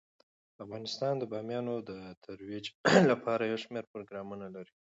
افغانستان د بامیان د ترویج لپاره یو شمیر پروګرامونه لري.